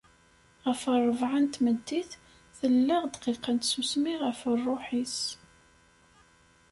Ɣef rrebεa n tmeddit, tella-ddqiqa n tsusmi ɣef rruḥ-is.